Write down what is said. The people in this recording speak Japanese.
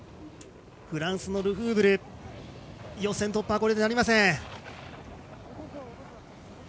フランスのルフーブル予選突破はこれでなりません。